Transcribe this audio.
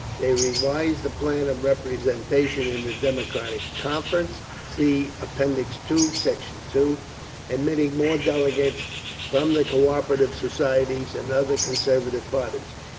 They revised the plan of representation in the Democratic Conference, (See App. II, Sect. 2) admitting more delegates from the Cooperative Societies and other conservative bodies.